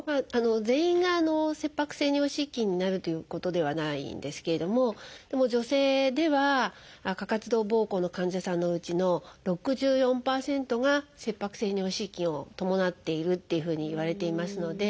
全員が切迫性尿失禁になるということではないんですけれどもでも女性では過活動ぼうこうの患者さんのうちの６４％が切迫性尿失禁を伴っているっていうふうにいわれていますので。